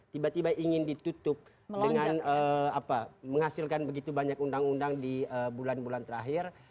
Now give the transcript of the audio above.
tiba tiba ingin ditutup dengan menghasilkan begitu banyak undang undang di bulan bulan terakhir